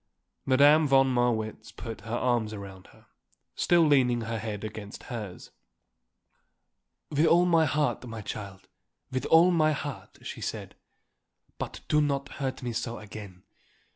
Madame von Marwitz put her arms around her, still leaning her head against hers. "With all my heart, my child, with all my heart," she said. "But do not hurt me so again.